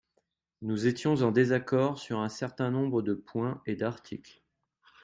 Nous étions en désaccord sur un certain nombre de points et d’articles.